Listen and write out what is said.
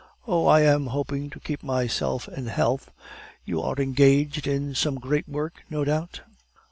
"Oh, I am hoping to keep myself in health." "You are engaged in some great work, no doubt?"